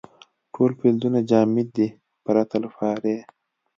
ټول فلزونه جامد دي پرته له پارې.